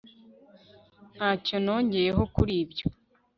ntacyo nongeyeho kuri ibyo